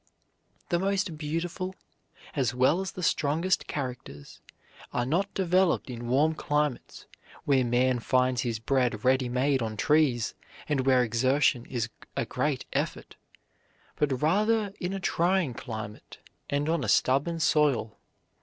The most beautiful as well as the strongest characters are not developed in warm climates, where man finds his bread ready made on trees, and where exertion is a great effort, but rather in a trying climate and on a stubborn soil.